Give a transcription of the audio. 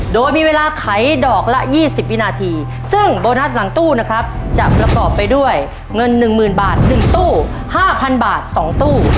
โดยมีเวลาไขดอกละ๒๐วินาทีซึ่งโบนัสหลังตู้นะครับจะประกอบไปด้วยเงิน๑๐๐๐บาท๑ตู้๕๐๐บาท๒ตู้